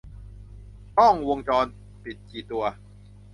กล้องวงจรปิดกี่ตัว